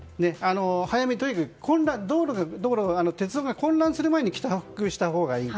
とにかく道路や鉄道が混乱する前に帰宅したほうがいいと。